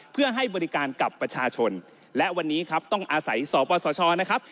เพื่อให้บริการกับประชาชนและวันนี้ครับต้องอาศัยสปสชนะครับ